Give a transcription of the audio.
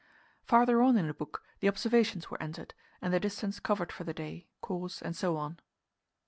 Farther on in the book the observations were entered, and the distance covered for the day, course, and so on.